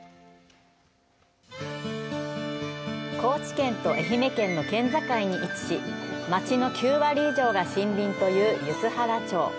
高知県と愛媛県の県境に位置し、町の９割以上が森林という梼原町。